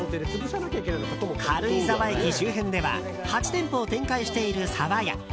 軽井沢駅周辺では８店舗を展開している沢屋。